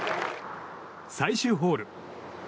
最終ホール。